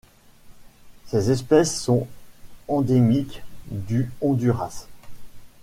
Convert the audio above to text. Ces espèces sont endémiques du Honduras.